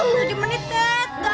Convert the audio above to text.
sekolah dimana sih tuh bupati